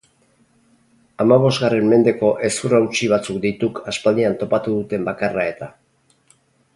Hamabosgarren mendeko hezur hautsi batzuk dituk aspaldian topatu duten bakarra eta.